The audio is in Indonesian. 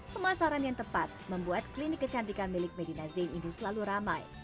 pemasaran yang tepat membuat klinik kecantikan milik medina zain ini selalu ramai